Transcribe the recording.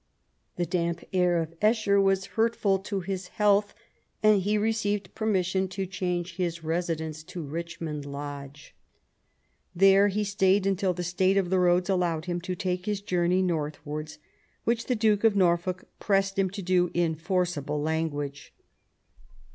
The damp air of Esher was hurtful to his health, and he received permission to change his residence to Eich mond Lodge. There he stayed until the state of the roads allowed him to take his journey northwards, which the Duke of Norfolk pressed him to do in forcible language.